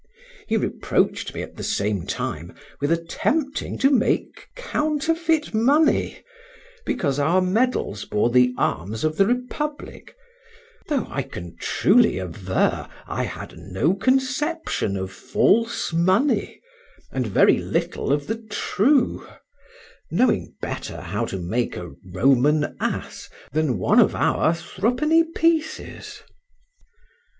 He reproached me at the same time with attempting to make counterfeit money because our medals bore the arms of the Republic, though, I can truly aver, I had no conception of false money, and very little of the true, knowing better how to make a Roman As than one of our threepenny pieces.